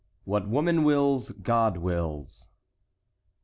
WHAT WOMAN WILLS, GOD WILLS.